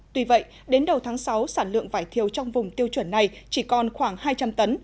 tuy vậy đến đầu tháng sáu sản lượng vải thiêu trong vùng tiêu chuẩn này chỉ còn khoảng hai trăm linh tấn